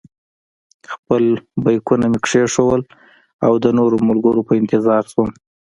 خپل بېکونه مې کېښودل او د نورو ملګرو په انتظار شوم.